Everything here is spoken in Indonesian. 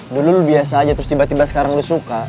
dulu lu biasa aja terus tiba tiba sekarang lu suka